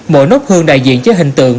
mỗi nốt hương đại diện cho hình tượng